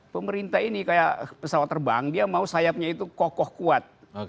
pemerintah ini kayak pesawat terbang dia mau sayapnya itu kokoh kuat